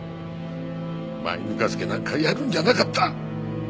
マイぬか漬けなんかやるんじゃなかった！